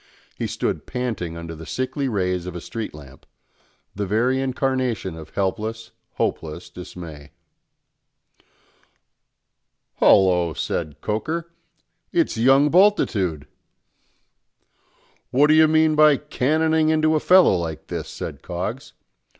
He stood panting under the sickly rays of a street lamp, the very incarnation of helpless, hopeless dismay. "Hallo!" said Coker, "it's young Bultitude!" "What do you mean by cannoning into a fellow like this?" said Coggs.